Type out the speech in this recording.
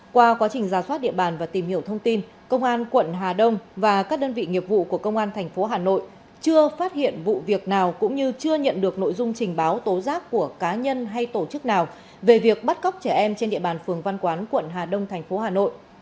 qua quá trình ra soát địa bàn và tìm hiểu thông tin công an quận hà đông và các đơn vị nghiệp vụ của công an tp hà nội chưa phát hiện vụ việc nào cũng như chưa nhận được nội dung trình báo tố giác của cá nhân hay tổ chức nào về việc bắt cóc trẻ em trên địa bàn phường văn quán quận hà đông thành phố hà nội